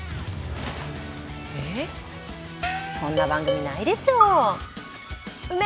えそんな番組ないでしょ。